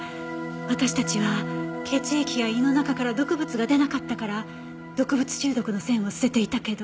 私たちは血液や胃の中から毒物が出なかったから毒物中毒の線を捨てていたけど。